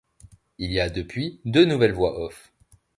Il y a depuis, deux nouvelles voix off.